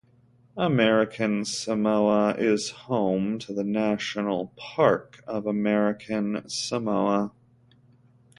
American Samoa is home to the National Park of American Samoa.